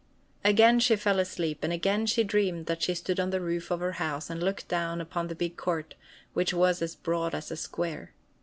Again she fell asleep; and again she dreamed that she stood on the roof of her house and looked down upon the big court, which was as broad as a square.